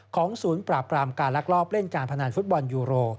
ศูนย์ปราบปรามการลักลอบเล่นการพนันฟุตบอลยูโร